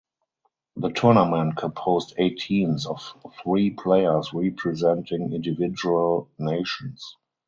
The tournament composed eight teams of three players representing individual nations.